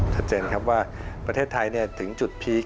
ชัดเจนครับว่าประเทศไทยถึงจุดพีค